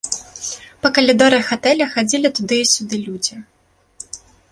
Па калідорах атэля хадзілі туды і сюды людзі.